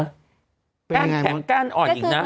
แต่แขก้านอ่อนอีกนะ